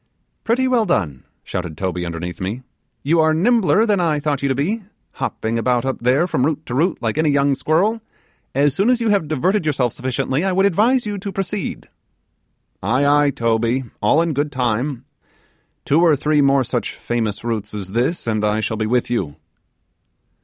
'Pretty well done,' shouted Toby underneath me; 'you are nimbler than I thought you to be hopping about up there from root to root like any young squirrel. As soon as you have diverted yourself sufficiently, I would advise you to proceed.' 'Aye, aye, Toby, all in good time: two or three more such famous roots as this, and I shall be with you.